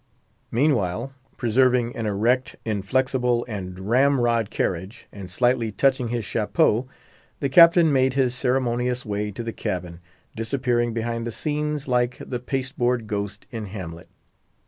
Meanwhile, preserving an erect, inflexible, and ram rod carriage, and slightly touching his chapeau, the Captain made his ceremonious way to the cabin, disappearing behind the scenes, like the pasteboard ghost in Hamlet.